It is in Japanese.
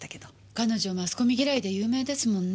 彼女マスコミ嫌いで有名ですもんね。